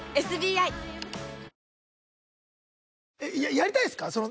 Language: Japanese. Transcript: やりたいですか？